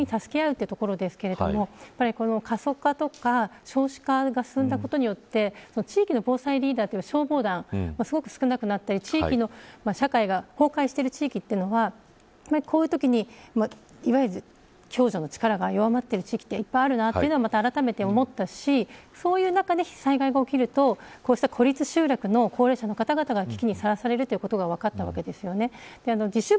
同時に共助の部分共に助け合うという部分で過疎化とか少子化が進んだことによって地域の防災リーダー消防団が少なくなって地域の社会が崩壊している地域というのがこういうときに共助の力が弱まっている地域がいっぱいあると思ったしそういう中で災害が起きると孤立集落の高齢者の方々が危機にさらされるということが分かったわけですよね。